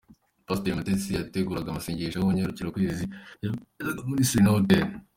Pasiteri Mutesi yateguraga amasengesho ngarukakwezi yaberaga muri Serena Hotel